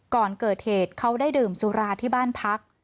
ก่อนเกิดเหตุเขาได้ดื่มสุราที่บ้านพัก